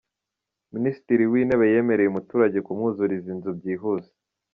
Minisitiri w’Intebe yemereye umuturage kumwuzuriza inzu byihuse